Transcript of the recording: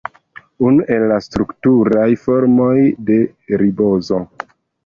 Unu el la strukturaj formuloj de ribozo.